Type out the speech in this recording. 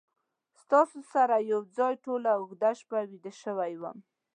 ستا سره یو ځای ټوله اوږده شپه ویده شوی وم